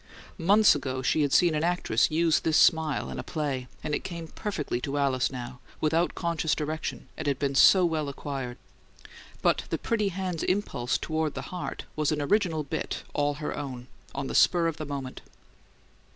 Months ago she had seen an actress use this smile in a play, and it came perfectly to Alice now, without conscious direction, it had been so well acquired; but the pretty hand's little impulse toward the heart was an original bit all her own, on the spur of the moment.